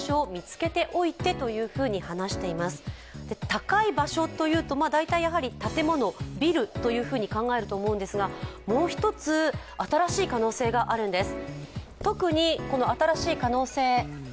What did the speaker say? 高い場所というと、大体、建物、ビルというふうに考えると思うんですが、もう一つ新しい可能性があるんです。